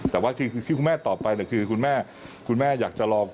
แต่ว่าคือคุณแม่ต่อไปคุณแม่อยากจะรอ